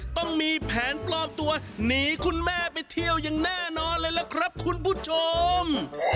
ต้องมีแผนปลอมตัวหนีคุณแม่ไปเที่ยวอย่างแน่นอนเลยล่ะครับคุณผู้ชม